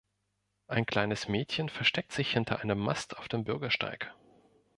Ein kleines Mädchen versteckt sich hinter einem Mast auf dem Bürgersteig.